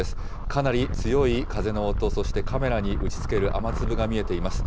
かなり強い風の音、そしてカメラに打ちつける雨粒が見えています。